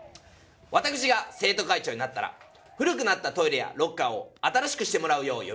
わたくしが生徒会長になったら古くなったトイレやロッカーを新しくしてもらうよう呼びかけ